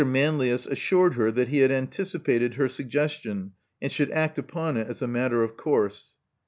Manlius assured her that he had anticipated her suggestion, and should act upon it as a matter of course.